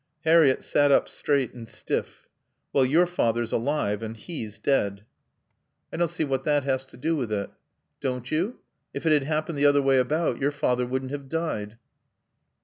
Harriett sat up, straight and stiff. "Well, your father's alive, and he's dead." "I don't see what that has to do with it." "Don't you? If it had happened the other way about, your father wouldn't have died."